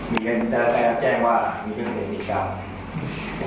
มึงด่ากูทำไม